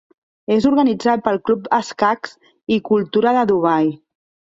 És organitzat pel Club escacs i cultura de Dubai.